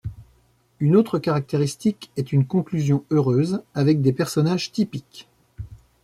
Une autre caractéristique est une conclusion heureuse, avec des personnages typiques.